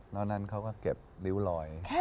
แล้วนั้นเขาก็เก็บริ้วลอย